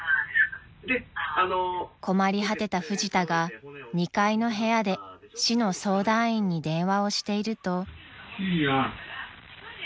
［困り果てたフジタが２階の部屋で市の相談員に電話をしていると］